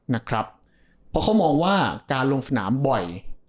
นะครับเพราะเขามองว่าการลงสนามบ่อย